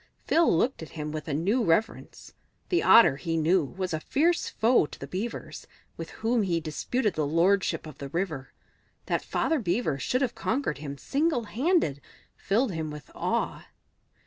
Phil looked at him with a new reverence. The Otter, he knew, was a fierce foe to Beavers, with whom he disputed the lordship of the river; that Father Beaver should have conquered him single handed filled him with awe.